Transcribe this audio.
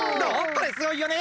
これすごいよね！